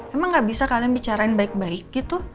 emang gak bisa kalian bicarain baik baik gitu